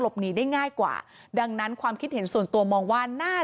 หนีได้ง่ายกว่าดังนั้นความคิดเห็นส่วนตัวมองว่าน่า